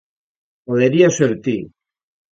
Poderías ser ti.